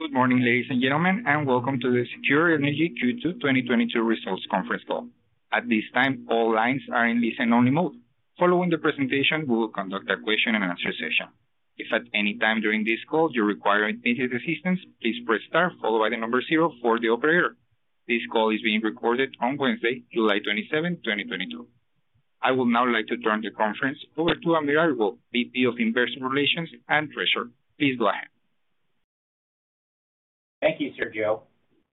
Good morning, ladies and gentlemen, and welcome to the SECURE Energy Q2 2022 Results Conference Call. At this time, all lines are in listen-only mode. Following the presentation, we will conduct a question-and-answer session. If at any time during this call you require any assistance, please press star followed by the number zero for the operator. This call is being recorded on Wednesday, July 27, 2022. I would now like to turn the conference over to Anil Aggarwala, VP of Investor Relations and Treasurer. Please go ahead. Thank you, Sergio.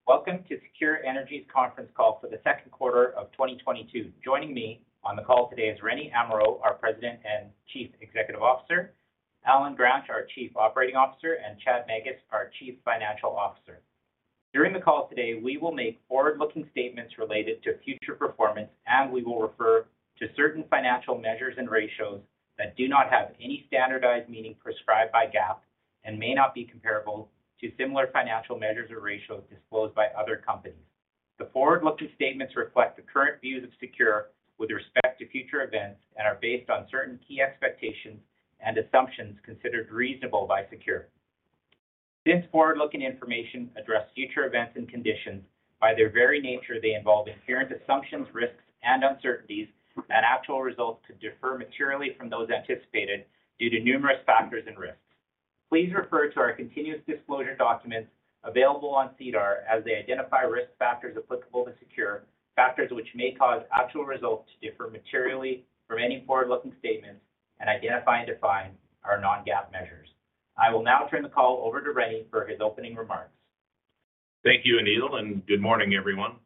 Welcome to SECURE Energy's conference call for the second quarter of 2022. Joining me on the call today is Rene Amirault, our President and Chief Executive Officer, Allen Gransch, our Chief Operating Officer, and Chad Magus, our Chief Financial Officer. During the call today, we will make forward-looking statements related to future performance and we will refer to certain financial measures and ratios that do not have any standardized meaning prescribed by GAAP and may not be comparable to similar financial measures or ratios disclosed by other companies. The forward-looking statements reflect the current views of SECURE with respect to future events and are based on certain key expectations and assumptions considered reasonable by SECURE. Since forward-looking information address future events and conditions, by their very nature, they involve inherent assumptions, risks, and uncertainties that actual results could differ materially from those anticipated due to numerous factors and risks. Please refer to our continuous disclosure documents available on SEDAR as they identify risk factors applicable to SECURE, factors which may cause actual results to differ materially from any forward-looking statements and identify and define our non-GAAP measures. I will now turn the call over to Rene for his opening remarks. Thank you, Anil, and good morning, everyone.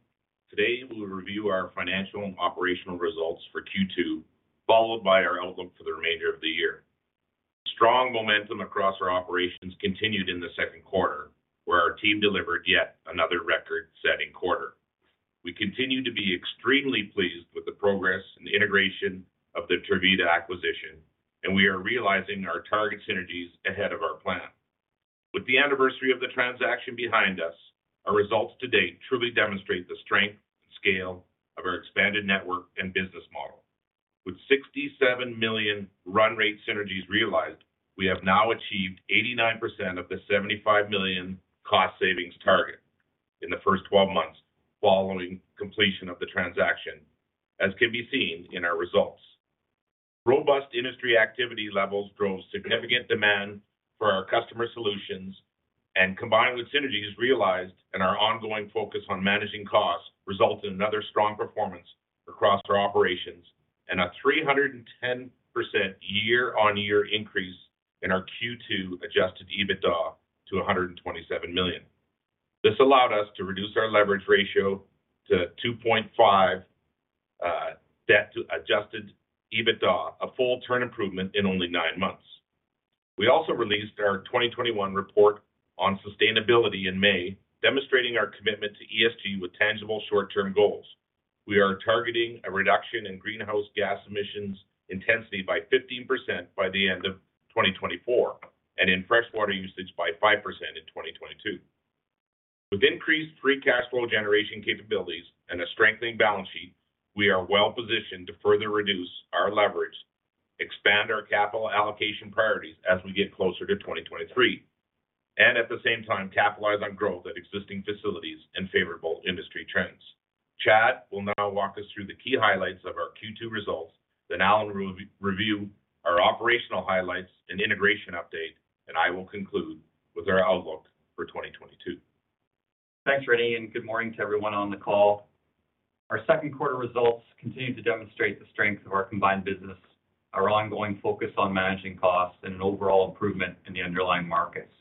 Today, we will review our financial and operational results for Q2, followed by our outlook for the remainder of the year. Strong momentum across our operations continued in the second quarter, where our team delivered yet another record-setting quarter. We continue to be extremely pleased with the progress and the integration of the Tervita acquisition, and we are realizing our target synergies ahead of our plan. With the anniversary of the transaction behind us, our results to date truly demonstrate the strength and scale of our expanded network and business model. With 67 million run rate synergies realized, we have now achieved 89% of the 75 million cost savings target in the first 12 months following completion of the transaction, as can be seen in our results. Robust industry activity levels drove significant demand for our customer solutions, and combined with synergies realized and our ongoing focus on managing costs, resulted in another strong performance across our operations and a 310% year-on-year increase in our Q2 adjusted EBITDA to 127 million. This allowed us to reduce our leverage ratio to 2.5, debt to adjusted EBITDA, a full turn improvement in only nine months. We also released our 2021 report on sustainability in May, demonstrating our commitment to ESG with tangible short-term goals. We are targeting a reduction in greenhouse gas emissions intensity by 15% by the end of 2024 and in freshwater usage by 5% in 2022. With increased free cash flow generation capabilities and a strengthening balance sheet, we are well-positioned to further reduce our leverage, expand our capital allocation priorities as we get closer to 2023, and at the same time capitalize on growth at existing facilities and favorable industry trends. Chad will now walk us through the key highlights of our Q2 results. Allen will re-review our operational highlights and integration update, and I will conclude with our outlook for 2022. Thanks, Rene, and good morning to everyone on the call. Our second quarter results continue to demonstrate the strength of our combined business, our ongoing focus on managing costs, and an overall improvement in the underlying markets.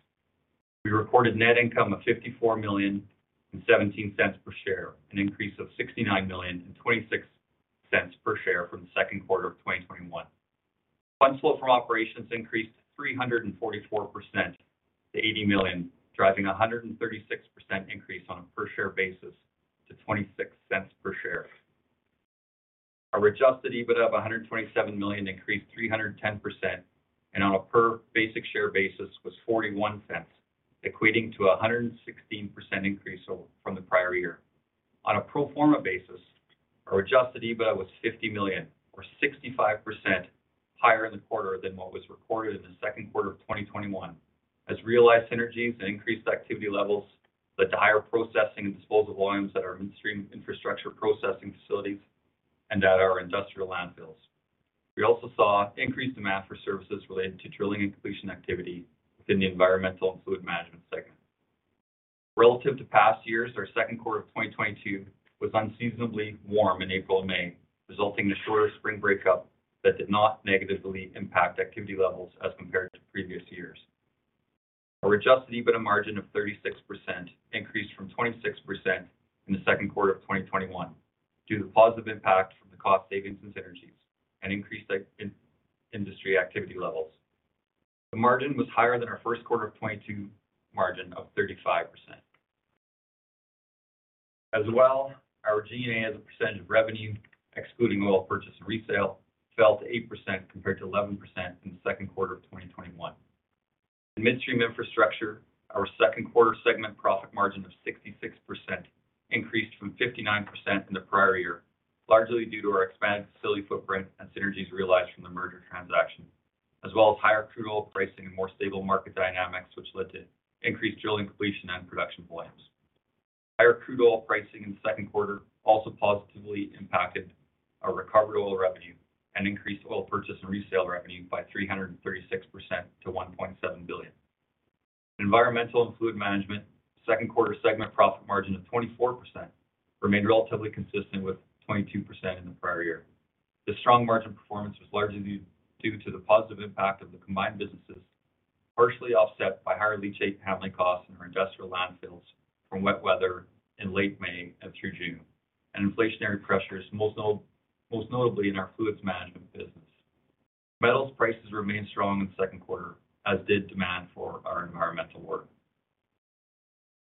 We recorded net income of 54 million and 0.17 per share, an increase of 69 million and 0.26 per share from the second quarter of 2021. Funds flow from operations increased 344% to 80 million, driving a 136% increase on a per share basis to 0.26 per share. Our adjusted EBITDA of 127 million increased 310%, and on a per basic share basis was 0.41, equating to a 116% increase from the prior year. On a pro forma basis, our adjusted EBITDA was 50 million or 65% higher in the quarter than what was recorded in the second quarter of 2021, as realized synergies and increased activity levels led to higher processing and disposal volumes at our midstream infrastructure processing facilities and at our industrial landfills. We also saw increased demand for services related to drilling and completion activity within the environmental and fluid management segment. Relative to past years, our second quarter of 2022 was unseasonably warm in April and May, resulting in a shorter spring breakup that did not negatively impact activity levels as compared to previous years. Our adjusted EBITDA margin of 36% increased from 26% in the second quarter of 2021 due to the positive impact from the cost savings and synergies and increased in industry activity levels. The margin was higher than our first quarter of 2022 margin of 35%. As well, our G&A percentage of revenue, excluding oil purchase and resale, fell to 8% compared to 11% in the second quarter of 2021. In Midstream Infrastructure, our second quarter segment profit margin of 66% increased from 59% in the prior year, largely due to our expanded facility footprint and synergies realized from the merger transaction. As well as higher crude oil pricing and more stable market dynamics, which led to increased drilling completion and production volumes. Higher crude oil pricing in the second quarter also positively impacted our recovered oil revenue and increased oil purchase and resale revenue by 336% to 1.7 billion. Environmental and Fluid Management second quarter segment profit margin of 24% remained relatively consistent with 22% in the prior year. This strong margin performance was largely due to the positive impact of the combined businesses, partially offset by higher leachate handling costs in our industrial landfills from wet weather in late May and through June, and inflationary pressures, most notably in our fluids management business. Metals prices remained strong in the second quarter, as did demand for our environmental work.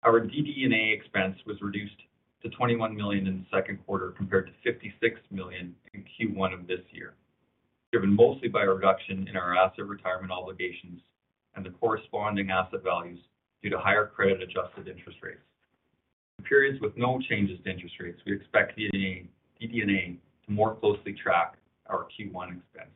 Our DD&A expense was reduced to 21 million in the second quarter compared to 56 million in Q1 of this year, driven mostly by a reduction in our asset retirement obligations and the corresponding asset values due to higher credit-adjusted interest rates. In periods with no changes to interest rates, we expect DD&A to more closely track our Q1 expense.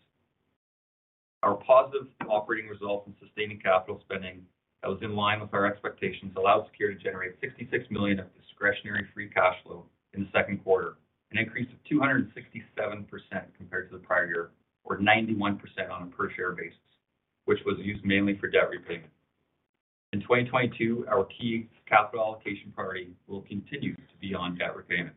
Our positive operating results and sustaining capital spending that was in line with our expectations allowed SECURE to generate 66 million of discretionary free cash flow in the second quarter, an increase of 267% compared to the prior year, or 91% on a per share basis, which was used mainly for debt repayment. In 2022, our key capital allocation priority will continue to be on debt repayment.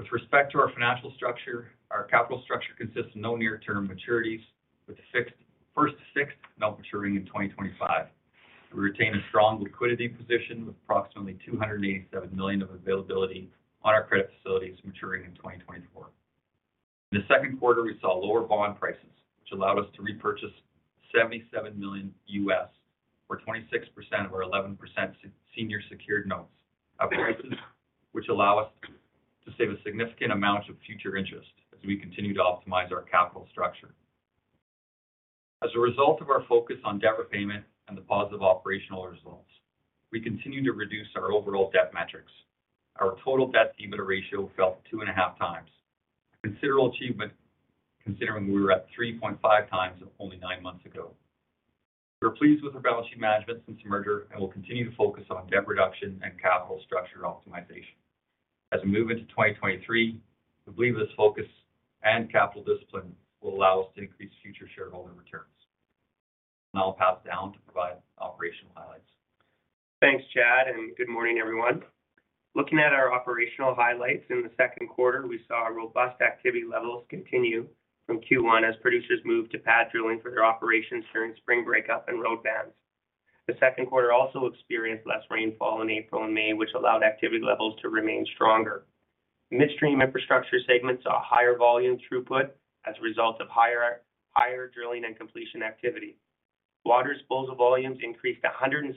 With respect to our financial structure, our capital structure consists of no near-term maturities, with the first six now maturing in 2025. We retain a strong liquidity position with approximately 287 million of availability on our credit facilities maturing in 2024. In the second quarter, we saw lower bond prices, which allowed us to repurchase $77 million, or 26% of our 11% senior secured notes at prices which allow us to save a significant amount of future interest as we continue to optimize our capital structure. As a result of our focus on debt repayment and the positive operational results, we continue to reduce our overall debt metrics. Our total debt-to-EBITDA ratio fell 2.5 times, a considerable achievement considering we were at 3.5 times only nine months ago. We are pleased with our balance sheet management since the merger and will continue to focus on debt reduction and capital structure optimization. As we move into 2023, we believe this focus and capital discipline will allow us to increase future shareholder returns. I'll pass down to provide operational highlights. Thanks, Chad, and good morning, everyone. Looking at our operational highlights in the second quarter, we saw our robust activity levels continue from Q1 as producers moved to pad drilling for their operations during spring breakup and road bans. The second quarter also experienced less rainfall in April and May, which allowed activity levels to remain stronger. Midstream infrastructure segments saw higher volume throughput as a result of higher drilling and completion activity. Water disposal volumes increased 116%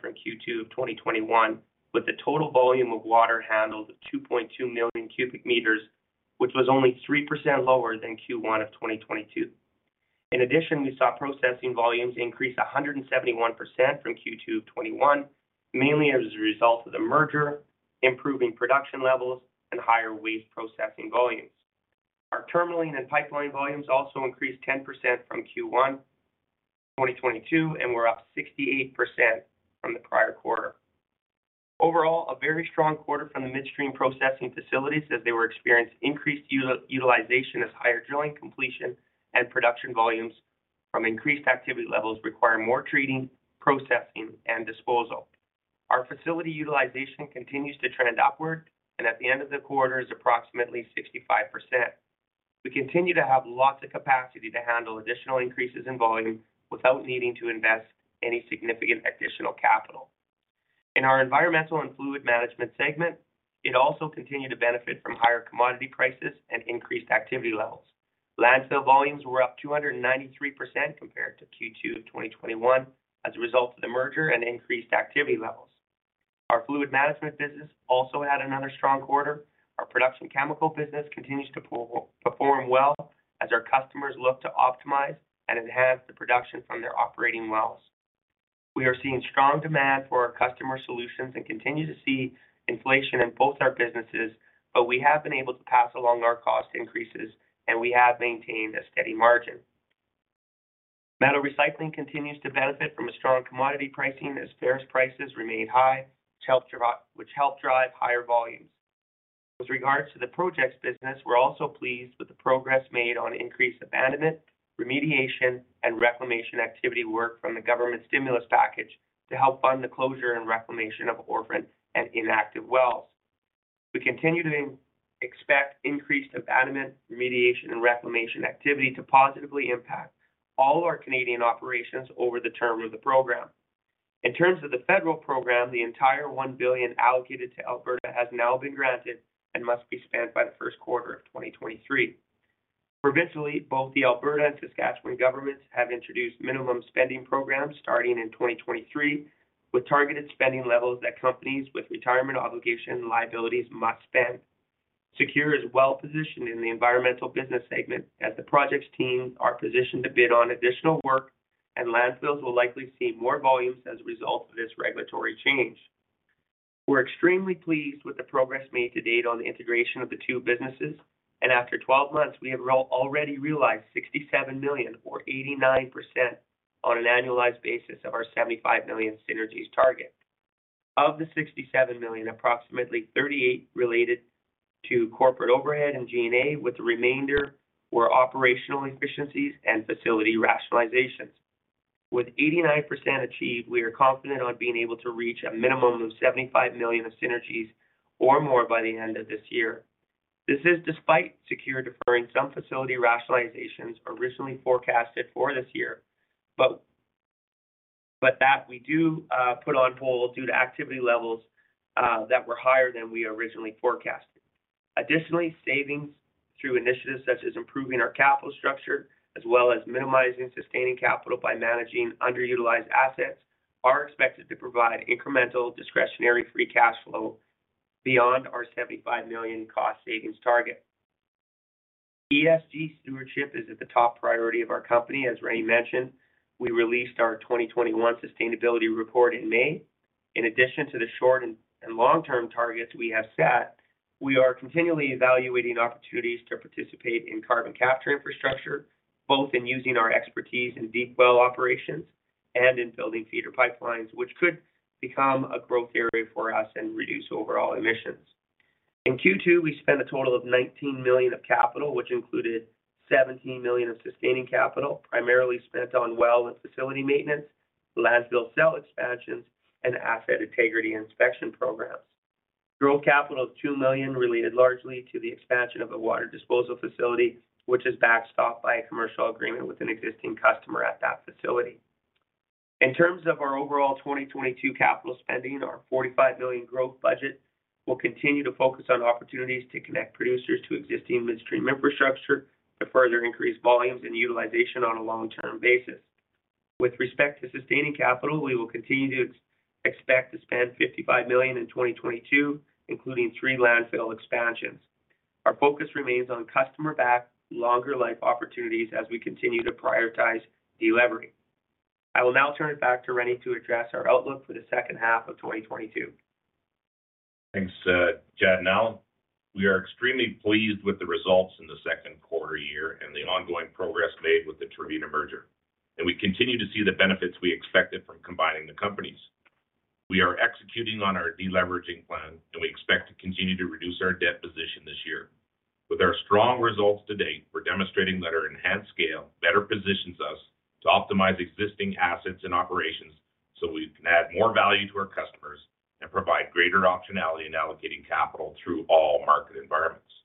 from Q2 of 2021, with a total volume of water handled of 2.2 million cubic meters, which was only 3% lower than Q1 of 2022. In addition, we saw processing volumes increase 171% from Q2 of 2021, mainly as a result of the merger, improving production levels, and higher waste processing volumes. Our terminalling and pipeline volumes also increased 10% from Q1 2022, and were up 68% from the prior quarter. Overall, a very strong quarter from the midstream processing facilities as they were experiencing increased utilization as higher drilling completion and production volumes from increased activity levels require more treating, processing, and disposal. Our facility utilization continues to trend upward, and at the end of the quarter is approximately 65%. We continue to have lots of capacity to handle additional increases in volume without needing to invest any significant additional capital. In our environmental and fluid management segment, it also continued to benefit from higher commodity prices and increased activity levels. Landfill volumes were up 293% compared to Q2 of 2021 as a result of the merger and increased activity levels. Our fluid management business also had another strong quarter. Our production chemical business continues to perform well as our customers look to optimize and enhance the production from their operating wells. We are seeing strong demand for our customer solutions and continue to see inflation in both our businesses, but we have been able to pass along our cost increases, and we have maintained a steady margin. Metal recycling continues to benefit from a strong commodity pricing as ferrous prices remain high, which help drive higher volumes. With regards to the projects business, we're also pleased with the progress made on increased abandonment, remediation, and reclamation activity work from the government stimulus package to help fund the closure and reclamation of orphan and inactive wells. We continue to expect increased abandonment, remediation, and reclamation activity to positively impact all our Canadian operations over the term of the program. In terms of the federal program, the entire 1 billion allocated to Alberta has now been granted and must be spent by the first quarter of 2023. Provincially, both the Alberta and Saskatchewan governments have introduced minimum spending programs starting in 2023, with targeted spending levels that companies with retirement obligation liabilities must spend. SECURE is well-positioned in the environmental business segment, as the projects team are positioned to bid on additional work, and landfills will likely see more volumes as a result of this regulatory change. We're extremely pleased with the progress made to date on the integration of the two businesses. After 12 months, we have already realized 67 million or 89% on an annualized basis of our 75 million synergies target. Of the 67 million, approximately 38 related to corporate overhead and G&A, with the remainder were operational efficiencies and facility rationalizations. With 89% achieved, we are confident on being able to reach a minimum of 75 million of synergies or more by the end of this year. This is despite SECURE deferring some facility rationalizations originally forecasted for this year that we do put on hold due to activity levels that were higher than we originally forecasted. Additionally, savings through initiatives such as improving our capital structure, as well as minimizing sustaining capital by managing underutilized assets, are expected to provide incremental discretionary free cash flow beyond our 75 million cost savings target. ESG stewardship is at the top priority of our company, as Rene mentioned. We released our 2021 sustainability report in May. In addition to the short and long-term targets we have set, we are continually evaluating opportunities to participate in carbon capture infrastructure, both in using our expertise in deep well operations and in building feeder pipelines, which could become a growth area for us and reduce overall emissions. In Q2, we spent a total of 19 million of capital, which included 17 million of sustaining capital, primarily spent on well and facility maintenance, landfill cell expansions, and asset integrity inspection programs. Growth capital of 2 million related largely to the expansion of a water disposal facility, which is backstopped by a commercial agreement with an existing customer at that facility. In terms of our overall 2022 capital spending, our 45 million growth budget will continue to focus on opportunities to connect producers to existing midstream infrastructure to further increase volumes and utilization on a long-term basis. With respect to sustaining capital, we will continue to expect to spend 55 million in 2022, including three landfill expansions. Our focus remains on customer-backed, longer life opportunities as we continue to prioritize delevering. I will now turn it back to Rene to address our outlook for the second half of 2022. Thanks, Chad and Allen. We are extremely pleased with the results in the second quarter year and the ongoing progress made with the Tervita merger, and we continue to see the benefits we expected from combining the companies. We are executing on our deleveraging plan, and we expect to continue to reduce our debt position this year. With our strong results to date, we're demonstrating that our enhanced scale better positions us to optimize existing assets and operations, so we can add more value to our customers and provide greater optionality in allocating capital through all market environments.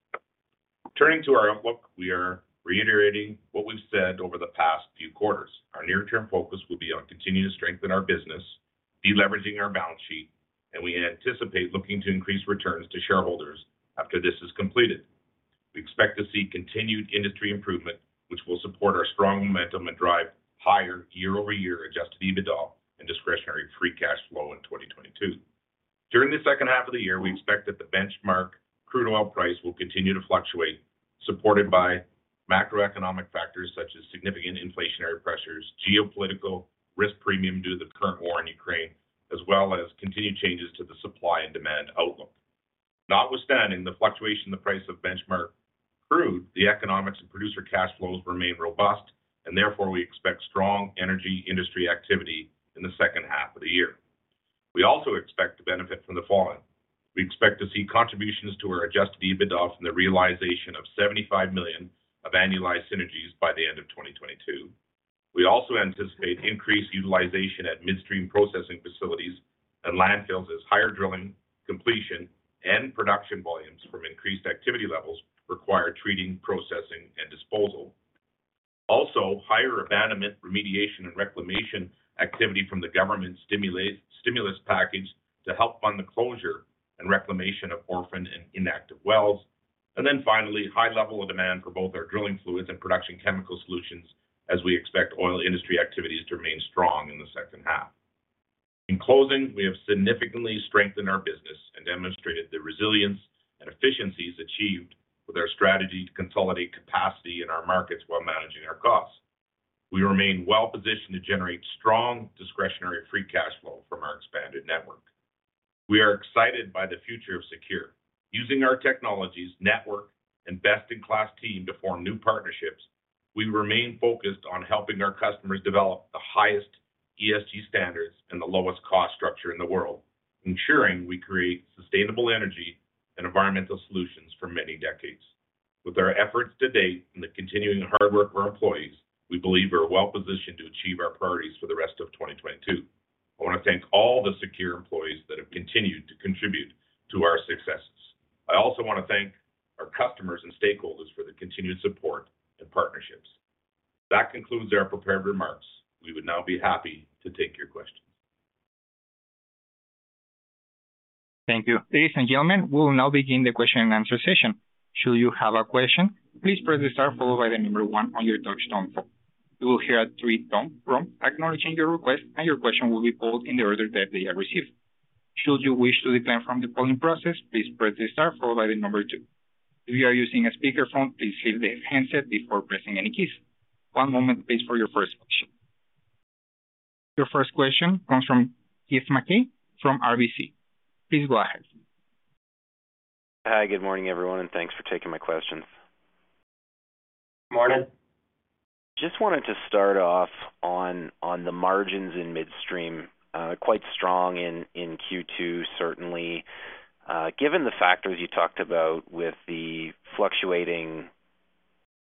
Turning to our outlook, we are reiterating what we've said over the past few quarters. Our near-term focus will be on continuing to strengthen our business, deleveraging our balance sheet, and we anticipate looking to increase returns to shareholders after this is completed. We expect to see continued industry improvement, which will support our strong momentum and drive higher year-over-year adjusted EBITDA and discretionary free cash flow in 2022. During the second half of the year, we expect that the benchmark crude oil price will continue to fluctuate, supported by macroeconomic factors such as significant inflationary pressures, geopolitical risk premium due to the current war in Ukraine, as well as continued changes to the supply and demand outlook. Notwithstanding the fluctuation in the price of benchmark crude, the economics and producer cash flows remain robust and therefore, we expect strong energy industry activity in the second half of the year. We also expect to benefit from the following. We expect to see contributions to our adjusted EBITDA from the realization of 75 million of annualized synergies by the end of 2022. We also anticipate increased utilization at midstream processing facilities and landfills as higher drilling, completion, and production volumes from increased activity levels require treating, processing, and disposal. Also, higher abandonment, remediation, and reclamation activity from the government stimulus package to help fund the closure and reclamation of orphan and inactive wells. Finally, high level of demand for both our drilling fluids and production chemical solutions as we expect oil industry activities to remain strong in the second half. In closing, we have significantly strengthened our business and demonstrated the resilience and efficiencies achieved with our strategy to consolidate capacity in our markets while managing our costs. We remain well-positioned to generate strong discretionary free cash flow from our expanded network. We are excited by the future of SECURE. Using our technologies, network, and best-in-class team to form new partnerships, we remain focused on helping our customers develop the highest ESG standards and the lowest cost structure in the world, ensuring we create sustainable energy and environmental solutions for many decades. With our efforts to date and the continuing hard work of our employees, we believe we are well-positioned to achieve our priorities for the rest of 2022. I wanna thank all the SECURE employees that have continued to contribute to our successes. I also wanna thank our customers and stakeholders for their continued support and partnerships. That concludes our prepared remarks. We would now be happy to take your questions. Thank you. Ladies and gentlemen, we will now begin the question and answer session. Should you have a question, please press the star followed by the number one on your touchtone phone. You will hear a three-tone prompt acknowledging your request, and your question will be pulled in the order that they are received. Should you wish to decline from the polling process, please press the star followed by the number two. If you are using a speakerphone, please hit the handset before pressing any keys. One moment please for your first question. Your first question comes from Keith Mackey from RBC. Please go ahead. Hi, good morning, everyone, and thanks for taking my questions. Morning. Just wanted to start off on the margins in midstream. Quite strong in Q2, certainly. Given the factors you talked about with the fluctuating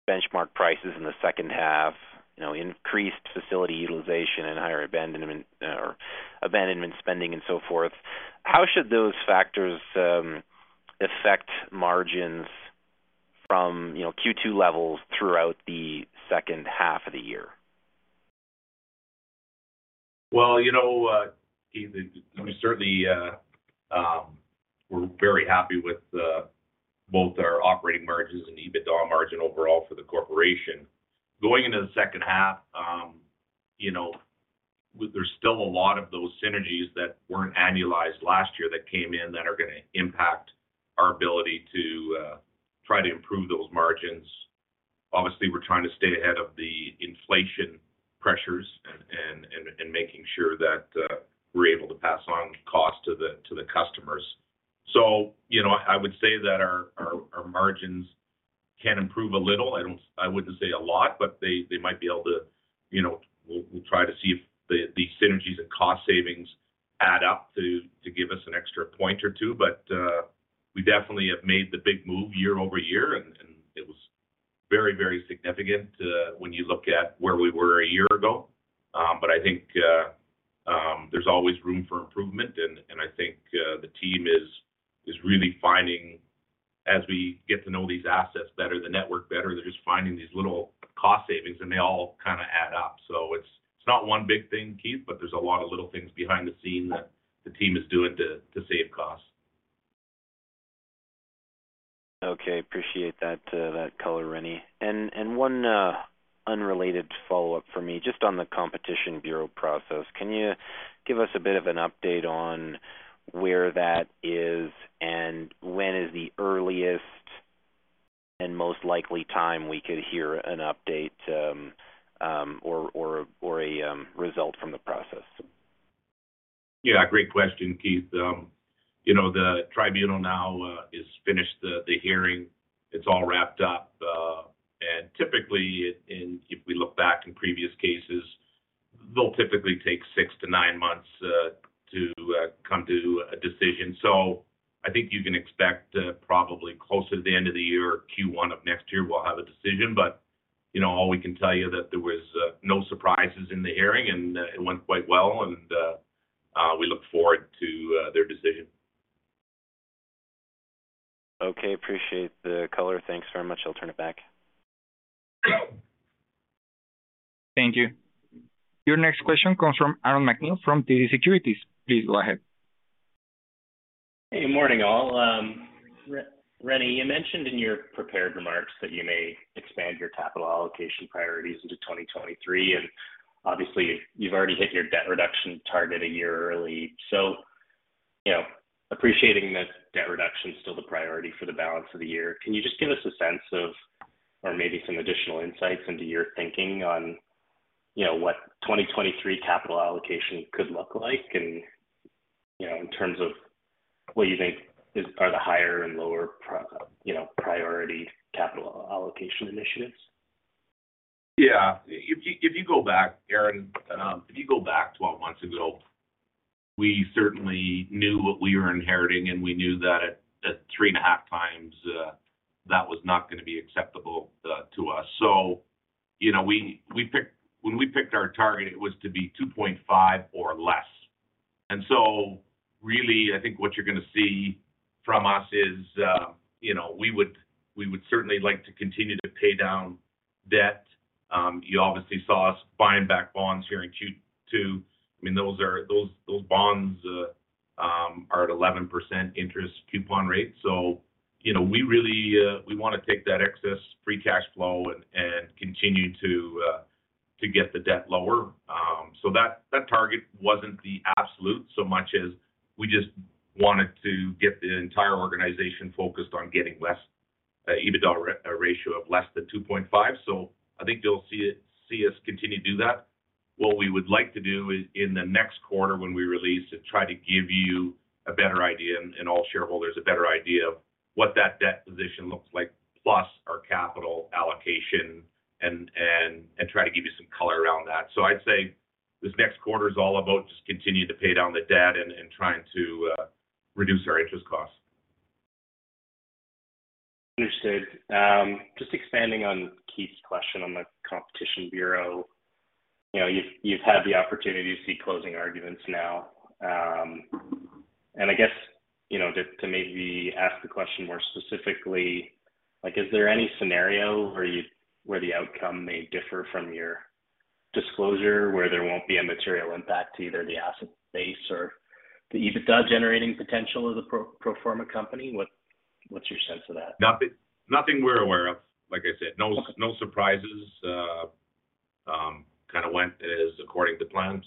benchmark prices in the second half, you know, increased facility utilization and higher abandonment spending and so forth, how should those factors affect margins from, you know, Q2 levels throughout the second half of the year? Well, you know, Keith, we certainly, we're very happy with both our operating margins and EBITDA margin overall for the corporation. Going into the second half, you know, there's still a lot of those synergies that weren't annualized last year that came in that are gonna impact our ability to try to improve those margins. Obviously, we're trying to stay ahead of the inflation pressures and making sure that we're able to pass on cost to the customers. You know, I would say that our margins can improve a little. I wouldn't say a lot, but they might be able to, you know, we'll try to see if the synergies and cost savings add up to give us an extra point or two. We definitely have made the big move year-over-year, and it was very significant when you look at where we were a year ago. I think there's always room for improvement and I think the team is really finding as we get to know these assets better, the network better, they're just finding these little cost savings and they all kinda add up. It's not one big thing, Keith, but there's a lot of little things behind the scenes that the team is doing to save costs. Okay. Appreciate that color, Rene. One unrelated follow-up for me, just on the Competition Bureau process. Can you give us a bit of an update on where that is and when is the earliest and most likely time we could hear an update, or a result from the process? Yeah, great question, Keith. The tribunal now is finished the hearing. It's all wrapped up. Typically, if we look back in previous cases, they'll typically take six to nine months to come to a decision. I think you can expect probably closer to the end of the year or Q1 of next year, we'll have a decision. You know, all we can tell you that there was no surprises in the hearing and it went quite well and we look forward to their decision. Okay. Appreciate the color. Thanks very much. I'll turn it back. Thank you. Your next question comes from Aaron MacNeil from TD Securities. Please go ahead. Hey, morning all. Rene, you mentioned in your prepared remarks that you may expand your capital allocation priorities into 2023, and obviously you've already hit your debt reduction target a year early. You know, appreciating that debt reduction is still the priority for the balance of the year, can you just give us a sense of, or maybe some additional insights into your thinking on, you know, what 2023 capital allocation could look like and, you know, in terms of what you think are the higher and lower priority capital allocation initiatives? Yeah. If you go back, Aaron, 12 months ago, we certainly knew what we were inheriting, and we knew that at 3.5 times, that was not gonna be acceptable to us. You know, when we picked our target, it was to be 2.5 or less. Really, I think what you're gonna see from us is, you know, we would certainly like to continue to pay down debt. You obviously saw us buying back bonds here in Q2. I mean, those bonds are at 11% interest coupon rate. You know, we really wanna take that excess free cash flow and continue to get the debt lower. That target wasn't the absolute so much as we just wanted to get the entire organization focused on getting less EBITDA ratio of less than 2.5. I think you'll see us continue to do that. What we would like to do is in the next quarter when we release it, try to give you a better idea and all shareholders a better idea of what that debt position looks like, plus our capital allocation and try to give you some color around that. I'd say this next quarter is all about just continue to pay down the debt and trying to reduce our interest costs. Understood. Just expanding on Keith's question on the Competition Bureau. You know, you've had the opportunity to see closing arguments now. I guess, you know, to maybe ask the question more specifically, like, is there any scenario where the outcome may differ from your disclosure, where there won't be a material impact to either the asset base or the EBITDA generating potential of the pro forma company? What's your sense of that? Nothing we're aware of. Like I said, no surprises. Kind of went as according to plan.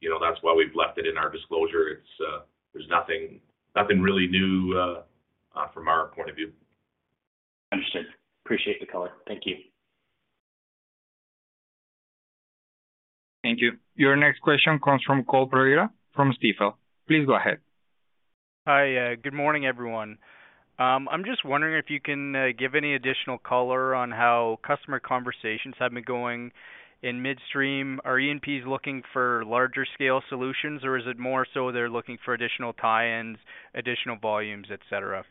You know, that's why we've left it in our disclosure. There's nothing really new from our point of view. Understood. Appreciate the color. Thank you. Thank you. Your next question comes from Cole Pereira from Stifel. Please go ahead. Hi. Good morning, everyone. I'm just wondering if you can give any additional color on how customer conversations have been going in midstream. Are E&Ps looking for larger scale solutions, or is it more so they're looking for additional tie-ins, additional volumes, et cetera?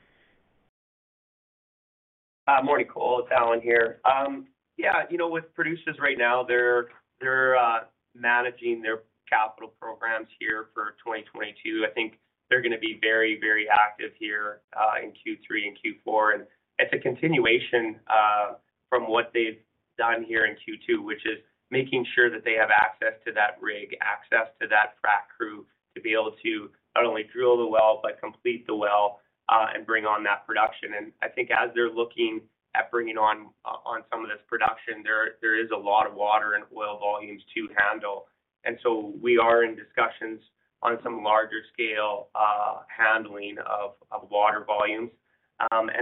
Morning, Cole. It's Allen here. Yeah, you know, with producers right now, they're managing their capital programs here for 2022. I think they're gonna be very active here in Q3 and Q4. It's a continuation from what they've done here in Q2, which is making sure that they have access to that rig, access to that frac crew to be able to not only drill the well but complete the well and bring on that production. I think as they're looking at bringing on some of this production, there is a lot of water and oil volumes to handle. We are in discussions on some larger scale handling of water volumes.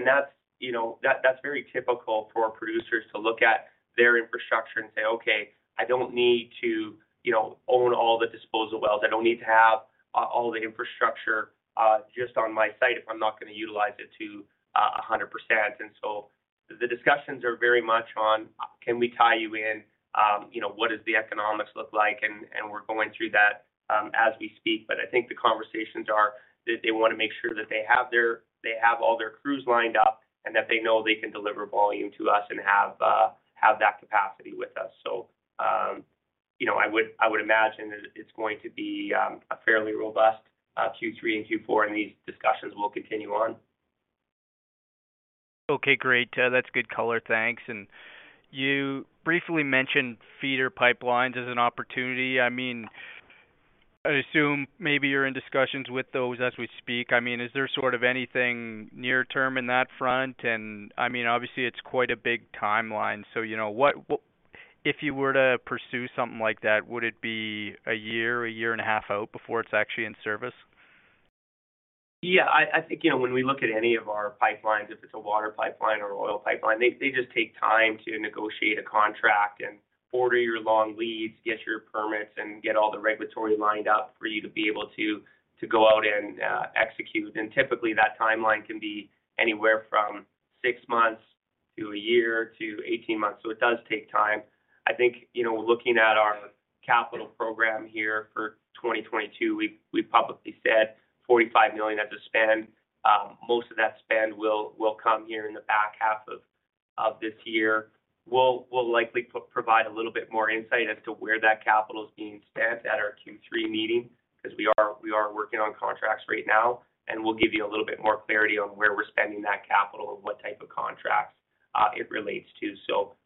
That's, you know, very typical for producers to look at their infrastructure and say, "Okay, I don't need to, you know, own all the disposal wells. I don't need to have all the infrastructure just on my site if I'm not gonna utilize it to 100%." The discussions are very much on, can we tie you in? You know, what does the economics look like? And we're going through that as we speak. But I think the conversations are that they wanna make sure that they have all their crews lined up, and that they know they can deliver volume to us and have that capacity with us. You know, I would imagine it's going to be a fairly robust Q3 and Q4, and these discussions will continue on. Okay. Great. That's good color, thanks. You briefly mentioned feeder pipelines as an opportunity. I mean, I assume maybe you're in discussions with those as we speak. I mean, is there sort of anything near-term in that front? I mean, obviously it's quite a big timeline, so, you know, what. If you were to pursue something like that, would it be a year, a year and a half out before it's actually in service? Yeah, I think, you know, when we look at any of our pipelines, if it's a water pipeline or an oil pipeline, they just take time to negotiate a contract and order your long leads, get your permits, and get all the regulatory lined up for you to be able to go out and execute. Typically, that timeline can be anywhere from six months to a year to 18 months. It does take time. I think, you know, looking at our capital program here for 2022, we've publicly said 45 million as a spend. Most of that spend will come here in the back half of this year. We'll likely provide a little bit more insight as to where that capital is being spent at our Q3 meeting, 'cause we are working on contracts right now, and we'll give you a little bit more clarity on where we're spending that capital and what type of contracts it relates to.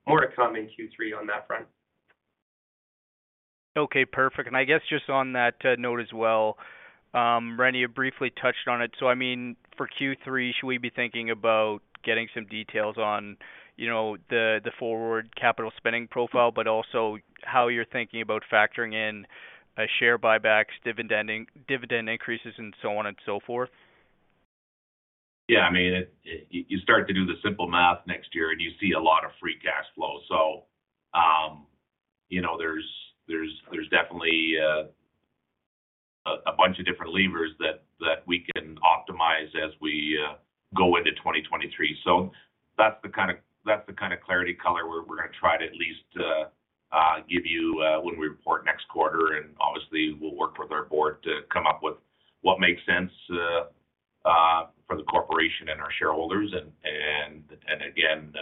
More to come in Q3 on that front. Okay, perfect. I guess just on that note as well, Rene, you briefly touched on it. I mean, for Q3, should we be thinking about getting some details on, you know, the forward capital spending profile, but also how you're thinking about factoring in share buybacks, dividend increases and so on and so forth? Yeah. I mean, you start to do the simple math next year, and you see a lot of free cash flow. You know, there's definitely a bunch of different levers that we can optimize as we go into 2023. That's the kind of clarity color we're gonna try to at least give you when we report next quarter. Obviously, we'll work with our board to come up with what makes sense for the corporation and our shareholders. Again,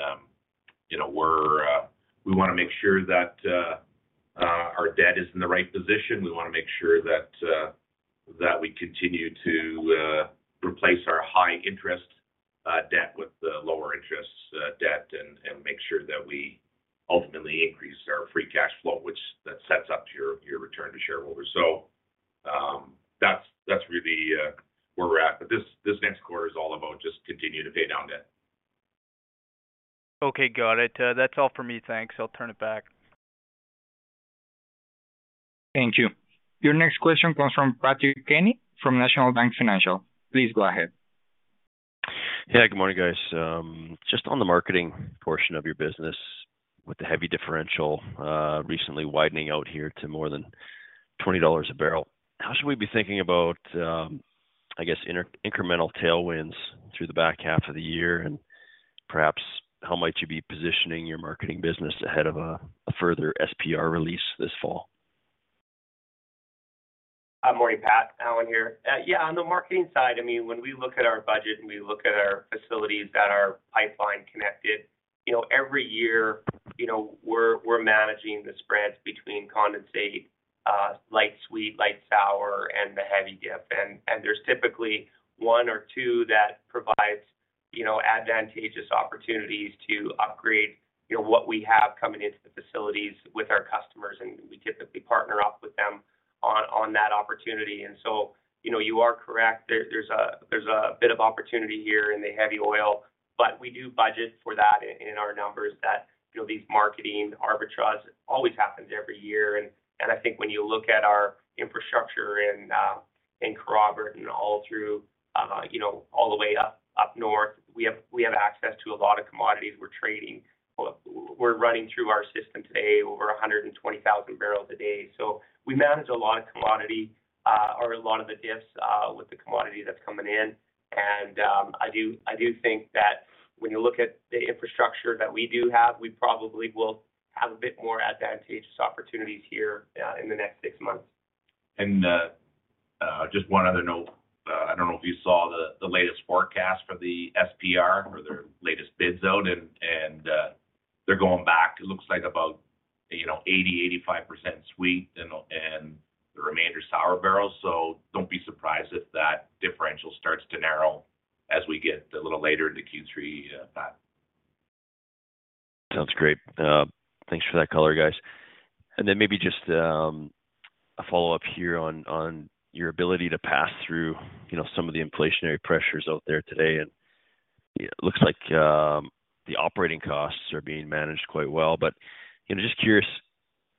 you know, we wanna make sure that our debt is in the right position. We want to make sure that we continue to replace our high interest debt with lower interest debt and make sure that we ultimately increase our free cash flow, which sets up your return to shareholders. That's really where we're at. This next quarter is all about just continue to pay down debt. Okay, got it. That's all for me. Thanks. I'll turn it back. Thank you. Your next question comes from Patrick Kenny from National Bank Financial. Please go ahead. Yeah, good morning, guys. Just on the marketing portion of your business with the heavy differential recently widening out here to more than $20 a barrel. How should we be thinking about, I guess any incremental tailwinds through the back half of the year, and perhaps how might you be positioning your marketing business ahead of a further SPR release this fall? Morning, Pat. Allen here. Yeah, on the marketing side, I mean, when we look at our budget and we look at our facilities that are pipeline connected, you know, every year, you know, we're managing the spreads between condensate, light sweet, light sour, and the heavy differential. There's typically one or two that provides, you know, advantageous opportunities to upgrade, you know, what we have coming into the facilities with our customers, and we typically partner up with them on that opportunity. You are correct. There's a bit of opportunity here in the heavy oil, but we do budget for that in our numbers that, you know, these marketing arbitrage always happens every year. I think when you look at our infrastructure and Kaybob and all through you know all the way up north, we have access to a lot of commodities we're trading. We're running through our system today over 120,000 barrels a day. We manage a lot of commodity or a lot of the diffs with the commodity that's coming in. I do think that when you look at the infrastructure that we do have, we probably will have a bit more advantageous opportunities here in the next six months. Just one other note. I don't know if you saw the latest forecast for the SPR or their latest bids out and they're going back. It looks like about, you know, 85% sweet and the remainder sour barrels. Don't be surprised if that differential starts to narrow as we get a little later into Q3, Pat. Sounds great. Thanks for that color, guys. Maybe just a follow-up here on your ability to pass through, you know, some of the inflationary pressures out there today. It looks like the operating costs are being managed quite well. You know, just curious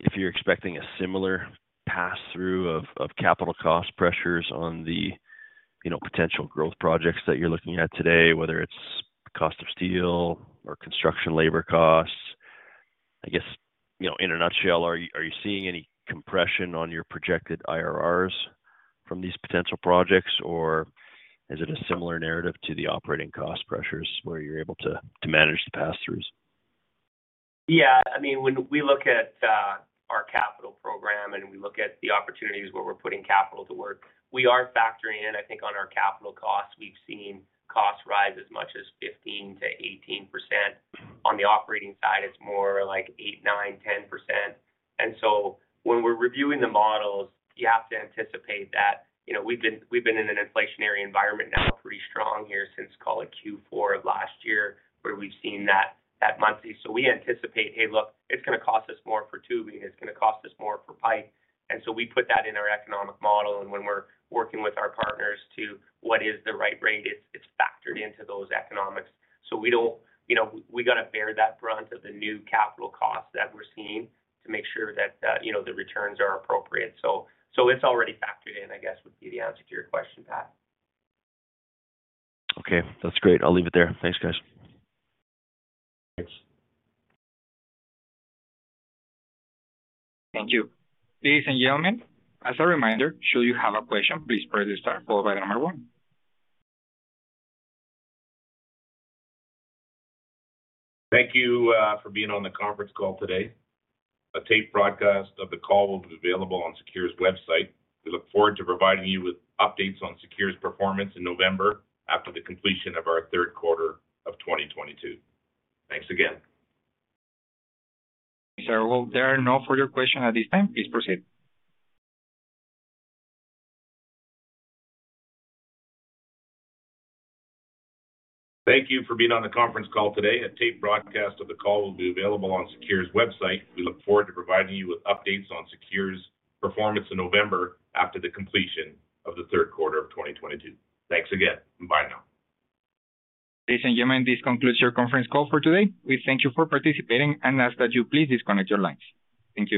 if you're expecting a similar pass-through of capital cost pressures on the, you know, potential growth projects that you're looking at today, whether it's cost of steel or construction labor costs. I guess, you know, in a nutshell, are you seeing any compression on your projected IRRs from these potential projects? Is it a similar narrative to the operating cost pressures where you're able to manage the pass-throughs? Yeah. I mean, when we look at our capital program and we look at the opportunities where we're putting capital to work, we are factoring in, I think, on our capital costs. We've seen costs rise as much as 15%-18%. On the operating side, it's more like 8%, 9%, 10%. When we're reviewing the models, you have to anticipate that. You know, we've been in an inflationary environment now pretty strong here since, call it, Q4 of last year, where we've seen that monthly. We anticipate, hey, look, it's gonna cost us more for tubing, it's gonna cost us more for pipe. We put that in our economic model. When we're working with our partners to what is the right rate, it's factored into those economics. We don't... You know, we gotta bear that brunt of the new capital costs that we're seeing to make sure that, you know, the returns are appropriate. So, it's already factored in, I guess, would be the answer to your question, Pat. Okay. That's great. I'll leave it there. Thanks, guys. Thanks. Thank you. Ladies and gentlemen, as a reminder, should you have a question, please press star followed by the number one. Thank you for being on the conference call today. A taped broadcast of the call will be available on SECURE's website. We look forward to providing you with updates on SECURE's performance in November after the completion of our third quarter of 2022. Thanks again. Sir. Well, there are no further question at this time. Please proceed. Thank you for being on the conference call today. A taped broadcast of the call will be available on SECURE's website. We look forward to providing you with updates on SECURE's performance in November after the completion of the third quarter of 2022. Thanks again, and bye now. Ladies and gentlemen, this concludes your conference call for today. We thank you for participating and ask that you please disconnect your lines. Thank you.